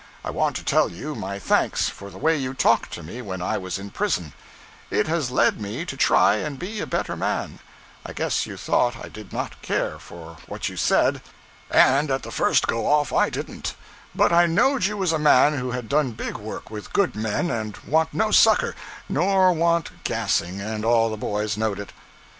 i want to tell you my thanks for the way you talked to me when i was in prison it has led me to try and be a better man; i guess you thought i did not cair for what you said, & at the first go off I didn't, but i noed you was a man who had don big work with good men & want no sucker, nor want gasing & all the boys knod it.